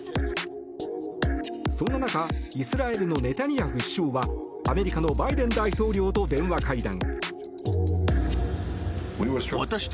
そんな中イスラエルのネタニヤフ首相はアメリカのバイデン大統領と電話会談。